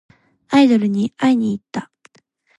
アイドルに会いにいった。